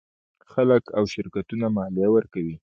خلک او شرکتونه مالیه ورکوي.